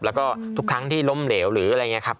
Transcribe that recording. แล้วก็ทุกครั้งที่ล้มเหลวหรืออะไรอย่างนี้ครับ